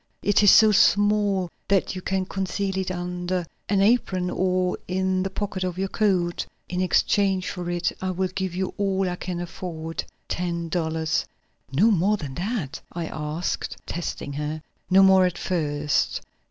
"It is so small that you can conceal it under an apron or in the pocket of your coat. In exchange for it, I will give you all I can afford ten dollars." "No more than that?" I asked, testing her. "No more at first.